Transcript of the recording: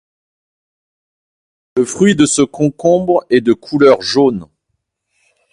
Le fruit de ce concombre est de couleur jaune.